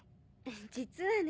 実はね